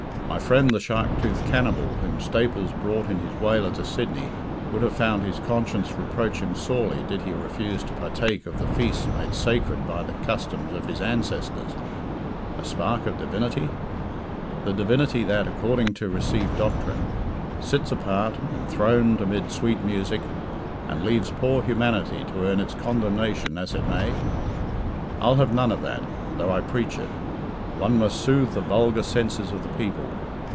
My friend the shark toothed cannibal whom Staples brought in his whaler to Sydney would have found his conscience reproach him sorely did he refuse to partake of the feasts made sacred by the customs of his ancestors. A spark of divinity? The divinity that, according to received doctrine; sits apart, enthroned amid sweet music, and leaves poor humanity to earn its condemnation as it may? I'll have none of that though I preach it. One must soothe the vulgar senses of the people.